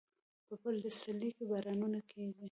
په پسرلي کې بارانونه کیږي